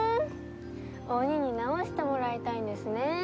鬼に直してもらいたいんですね